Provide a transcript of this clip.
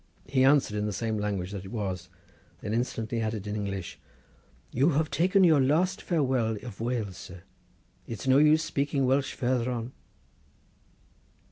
He answered in the same language that it was, then instantly added in English— "You have taken your last farewell of Wales, sir; it's no use speaking Welsh farther on."